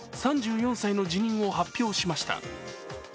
３４歳の辞任を発表しました。